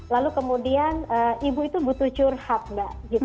lalu kemudian ibu itu butuh curhat mbak